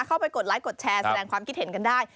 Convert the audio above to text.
กดไลค์กดแชร์แสดงความคิดเห็นกันได้